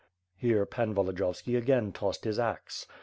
Here Pan Volodiyovski again tossed his axe.